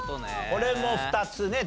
これも２つね